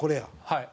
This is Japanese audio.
はい。